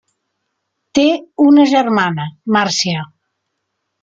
Té una germana, Marcia.